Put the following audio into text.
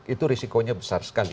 itu risikonya besar sekali